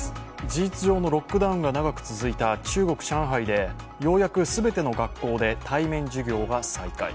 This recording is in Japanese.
事実上のロックダウンが長く続いた中国・上海でようやく全ての学校で対面授業が再開。